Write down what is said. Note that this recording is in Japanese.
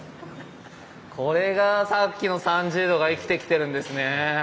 これがさっきの３０°が生きてきてるんですね。